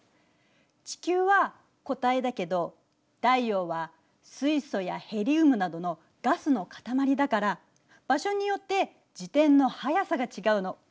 地球は固体だけど太陽は水素やヘリウムなどのガスの塊だから場所によって自転の速さが違うの。